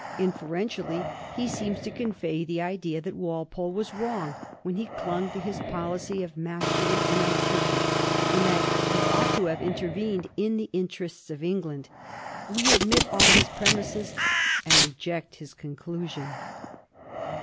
Inferentially he seems to convey the idea that Walpole was wrong when he clung to his policy of mas terly inactivity, and that he ought to have intervened in the interests of England. We admit all his premises and reject his conclusion.